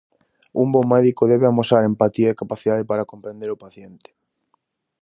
Un bo médico debe amosar empatía e capacidade para comprender o paciente.